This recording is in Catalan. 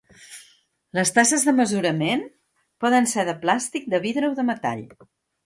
Les tasses de mesurament poden ser de plàstic, de vidre o de metall.